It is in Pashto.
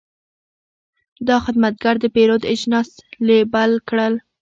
دا خدمتګر د پیرود اجناس لیبل کړل.